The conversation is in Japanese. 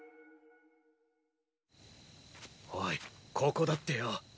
おいここだってよ。